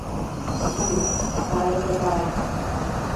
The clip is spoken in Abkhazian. Бзиоуп сааигәа бааи.